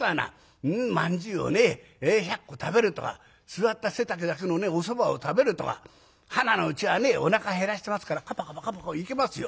まんじゅうを１００個食べるとか座った背丈だけのねおそばを食べるとかはなのうちはおなか減らしてますからカパカパカパカパいけますよ。